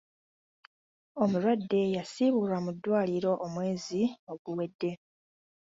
"Omulwadde yasiibulwa mu ddwaliro omwezi oguwedde.